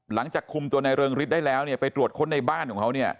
หลังจากคุมตัวในเริงฤทธิ์ได้แล้วไปตรวจคนในบ้านของเขา